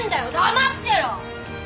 黙ってろ！